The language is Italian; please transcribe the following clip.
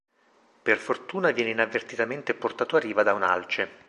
Per fortuna viene inavvertitamente portato a riva da un alce.